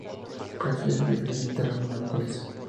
Prefiere vivir en terrenos calizos.